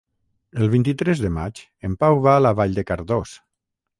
El vint-i-tres de maig en Pau va a Vall de Cardós.